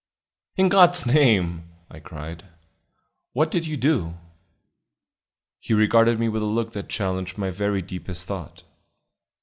"In God's name," I cried, "what did you do?" He regarded me with a look that challenged my very deepest thought.